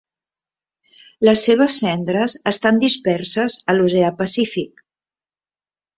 Les seves cendres estan disperses a l'Oceà Pacífic.